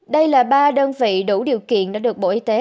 đây là ba đơn vị đủ điều kiện đã được bộ y tế